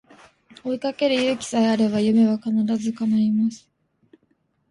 追いかける勇気さえあれば夢は必ず叶います